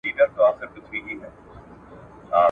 هغه له لوږي په زړو نتلي !.